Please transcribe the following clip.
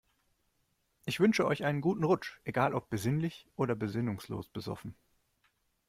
Ich wünsche euch einen guten Rutsch, egal ob besinnlich oder besinnungslos besoffen.